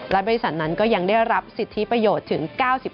และบริษัทนั้นก็ยังได้รับสิทธิประโยชน์ถึง๙๕